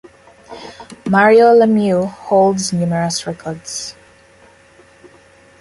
Mario Lemieux holds numerous records.